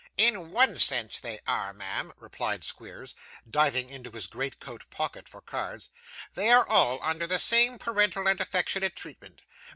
'In one sense they are, ma'am,' replied Squeers, diving into his greatcoat pocket for cards. 'They are all under the same parental and affectionate treatment.